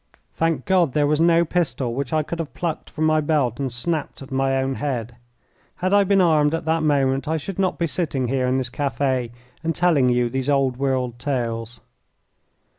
Thank God, there was no pistol which I could have plucked from my belt and snapped at my own head. Had I been armed at that moment I should not be sitting here in this cafe and telling you these old world tales.